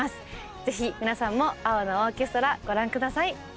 ぜひ皆さんも「青のオーケストラ」ご覧下さい。